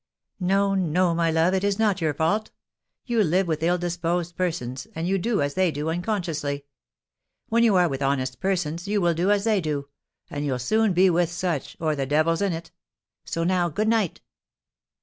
"No, no, my love, it is not your fault. You live with ill disposed persons, and you do as they do unconsciously. When you are with honest persons, you will do as they do; and you'll soon be with such, or the devil's in it. So now, good night!"